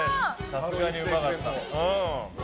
さすがにうまかった。